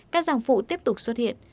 các dòng phụ tiếp tục xuất hiện